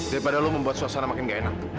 daripada kamu membuat suasana makin tidak enak